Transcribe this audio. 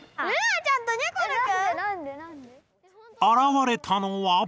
あらわれたのは。